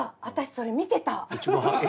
私それ見てた。